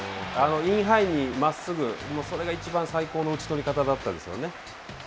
インハイにまっすぐ、それがいちばん最高の打ち取り方だったですよね。